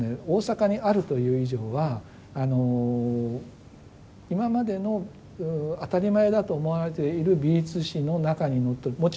大阪にあるという以上は今までの当たり前だと思われている美術史の中にのってる